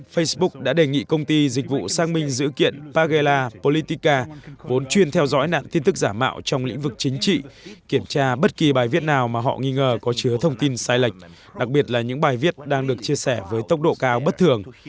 facebook đã đề nghị công ty dịch vụ xác minh dữ kiện pagela politica vốn chuyên theo dõi nạn tin tức giả mạo trong lĩnh vực chính trị kiểm tra bất kỳ bài viết nào mà họ nghi ngờ có chứa thông tin sai lệch đặc biệt là những bài viết đang được chia sẻ với tốc độ cao bất thường